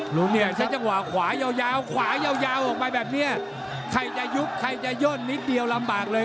ลุงเนี่ยใช้จังหวะขวายาวขวายาวออกไปแบบนี้ใครจะยุบใครจะย่นนิดเดียวลำบากเลย